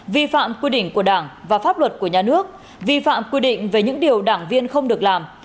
vi phạm quy định của đảng và pháp luật của nhà nước vi phạm quy định về những điều đảng viên không được làm